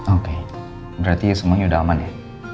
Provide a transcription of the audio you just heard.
oke berarti semuanya udah aman ya